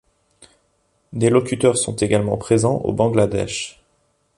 Des locuteurs sont également présents au Bangladesh.